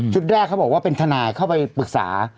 แรกเขาบอกว่าเป็นทนายเข้าไปปรึกษา